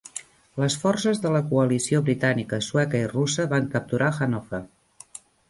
Les forces de la coalició britànica, sueca i russa van capturar Hanover.